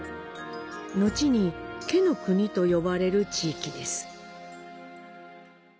後に毛野国と呼ばれる地域です。